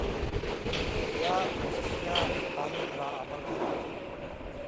یا مسلکیاں قانون لا عمل کراں تھہ